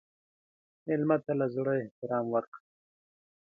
مېلمه ته له زړه احترام ورکړه.